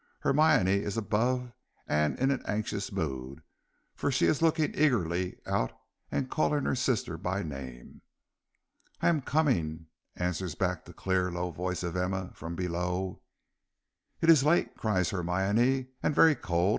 Hermione is above and in an anxious mood, for she is looking eagerly out and calling her sister by name. "I am coming," answers back the clear, low voice of Emma from below. "It is late," cries Hermione, "and very cold.